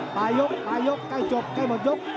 ปลายกปลายยกใกล้จบใกล้หมดยก